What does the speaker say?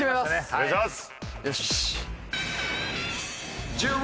お願いします！